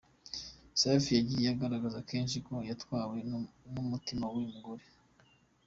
Safi yagiye agaragaza kenshi ko yatwawe umutima n'uyu mugore.